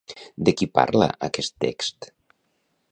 De qui parla aquest text?